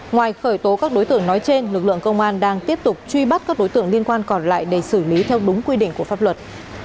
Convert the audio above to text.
ngoài khởi tố các đối tượng nói trên lực lượng công an đang tiếp tục truy bắt các đối tượng liên quan còn lại để xử lý theo đúng quy định của pháp luật